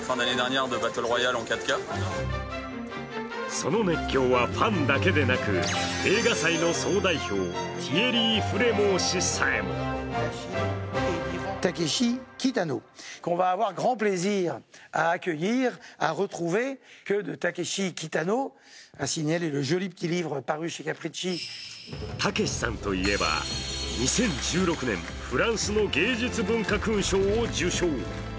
その熱狂はファンだけでなく映画祭の総代表ティエリー・フレモー氏さえも武さんといえば、２０１６年フランスの芸術文化勲章を受章。